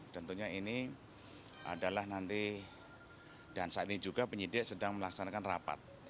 tentunya ini adalah nanti dan saat ini juga penyidik sedang melaksanakan rapat